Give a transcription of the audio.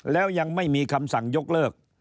แล้วยังไม่มีคำสั่งยกเลิก